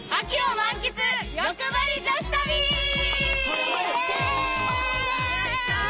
イエイ！